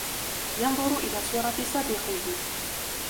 ينظر إلى صورة صديقه